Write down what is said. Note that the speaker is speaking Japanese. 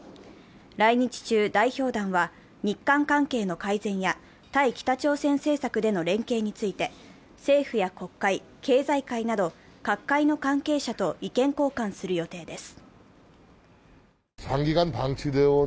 来日中、代表団は日韓関係の改善や対北朝鮮政策での連携について政府や国会、経済界など、各界の関係者と意見交換する予定です。